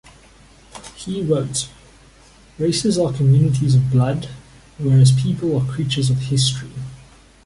He wrote:Races are communities of blood, whereas people are creatures of history.